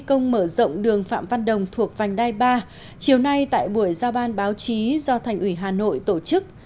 công mở rộng đường phạm văn đồng thuộc vành đai ba chiều nay tại buổi giao ban báo chí do thành ủy hà nội tổ chức